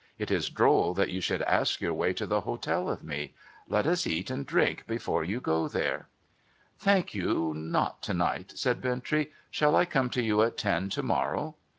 It is droll that you should ask your way to the Hotel of me. Let us eat and drink before you go there.' 564 NO THOROUGHFARE ' Thank you ; not to night,' said Bintrey. * Shall I come to you at ten to morrow